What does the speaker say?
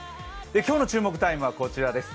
今日の注目タイムはこちらです。